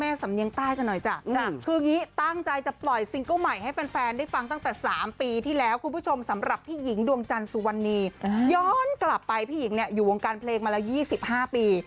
สำเนียงใต้กันหน่อยจ้ะคืออย่างนี้ตั้งใจจะปล่อยซิงเกิ้ลใหม่ให้แฟนได้ฟังตั้งแต่๓ปีที่แล้วคุณผู้ชมสำหรับพี่หญิงดวงจันทร์สุวรรณีย้อนกลับไปพี่หญิงเนี่ยอยู่วงการเพลงมาแล้ว๒๕ปี